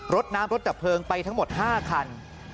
รถน้ำรถดับเพลิงไปทั้งหมด๕คัน